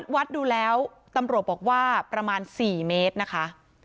วัดดูแล้วตำรวจบอกว่าประมาณ๔เมตรนะคะ